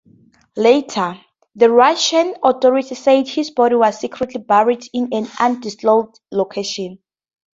Later, the Russian authorities said his body was secretly buried in an undisclosed location.